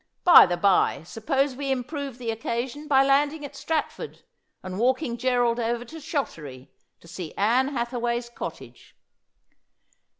By the bye, suppose we improve the occasion by landing at Stratford, and walkin" Gerald over to Shottery to see Ann Hathaway's cottage.'